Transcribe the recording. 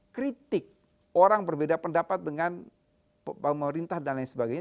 kritik orang berbeda pendapat dengan pemerintah dan lain sebagainya